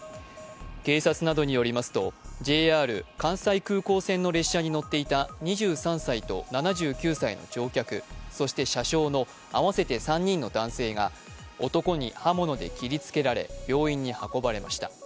警察などによりますとＪＲ関西空港線の列車に乗っていた２３歳と７９歳の乗客、そして車掌の合わせて３人の男性が男に刃物で切りつけられ病院に運ばれました。